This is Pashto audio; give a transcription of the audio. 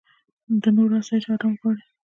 د نورو اسایش او ارام غواړې.